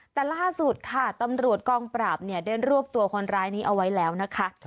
แต่ล่าสุดค่ะตำรวจกองปราบได้รวบตัวคนร้ายนี้เอาไว้แล้วนะคะ